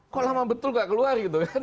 kok lama betul gak keluar gitu kan